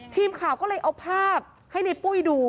ทีมข่าวก็เลยเอาภาพให้ในปุ้ยดู